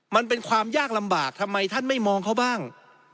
มันเป็นความยากลำบากทำไมท่านไม่มองเขาบ้าง